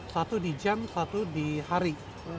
satu di jam satu di hari